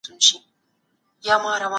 ولې ځینې خلګ د قانون خلاف کار کوي؟